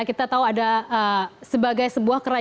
kita tahu ada sebagai sebuah kerajinan